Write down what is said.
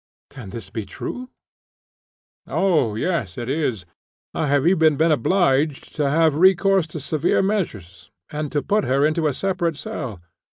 "Can this be true?" "Oh, yes, it is. I have even been obliged to have recourse to severe measures, and to put her into a separate cell.